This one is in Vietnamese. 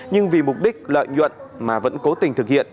nhưng vì mục đích lợi nhuận mà vẫn cố tình thực hiện